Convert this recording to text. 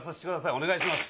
お願いします